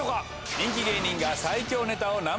人気芸人が最強ネタを生披露。